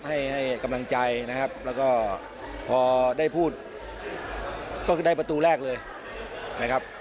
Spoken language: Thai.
ให้ให้กำลังใจนะครับแล้วก็พอได้พูดก็คือได้ประตูแรกเลยนะครับ